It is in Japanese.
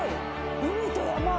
海と山。